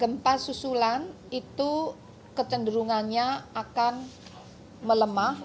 gempa susulan itu kecenderungannya akan melemah